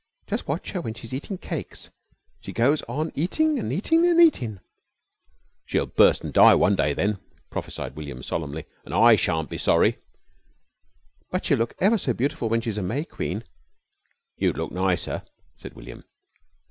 "Jus' watch her when she's eatin' cakes she goes on eatin' and eatin' and eatin'." "She'll bust an' die one day then," prophesied William solemnly, "an' I shan't be sorry." "But she'll look ever so beautiful when she's a May Queen." "You'd look nicer," said William.